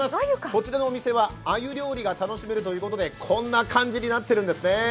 こちらのお店はあゆ料理が楽しめるということでこんな感じになっているんですね。